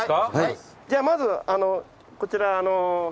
じゃあまずこちら。